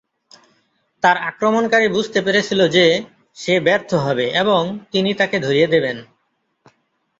তার আক্রমণকারী বুঝতে পেরেছিল যে সে ব্যর্থ হবে এবং তিনি তাকে ধরিয়ে দেবেন।